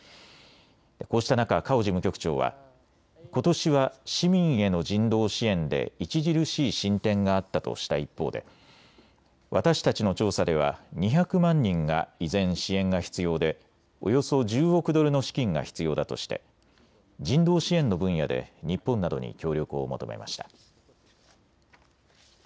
こうした中、カオ事務局長はことしは市民への人道支援で著しい進展があったとした一方で私たちの調査では２００万人が依然、支援が必要でおよそ１０億ドルの資金が必要だとして人道支援の分野で日本などに協力を求めました。